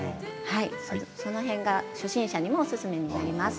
その辺が初心者にもおすすめです。